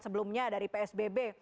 sebelumnya dari psbb